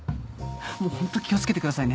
もうホント気を付けてくださいね。